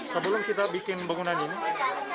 sebelum kita bikin bangunan ini